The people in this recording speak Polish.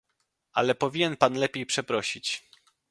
ale powinien pan lepiej przeprosić